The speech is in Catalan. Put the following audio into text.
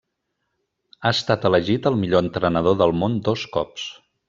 Ha estat elegit el millor entrenador del món dos cops.